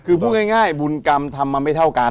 คือพูดง่ายบุญกรรมทำมาไม่เท่ากัน